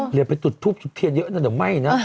เหลียนไปจุดทุบจุดเทียดเยอะแต่เดี๋ยวไหม้นะ